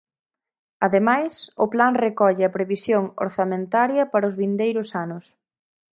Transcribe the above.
Ademais, o plan recolle a previsión orzamentaria para os vindeiros anos.